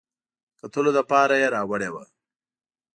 د کتلو لپاره یې راوړې وه.